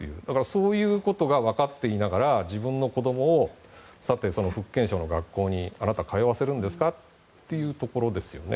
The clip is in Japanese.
そういうことが分かっていながら自分の子供を、さて福建省の学校にあなた通わせるんですか？ということですよね。